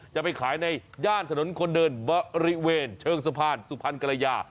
จะไปขายในย่านถนนคนเดินบริเวณเชิงสะพานสุพรรณกรยา